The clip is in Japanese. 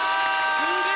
すげえ！